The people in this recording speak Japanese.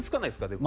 でも。